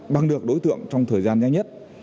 băng được đối tượng trong thời gian nhanh nhất